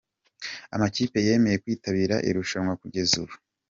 Amakipe yemeye kwitabira irushanwa kugeza ubu.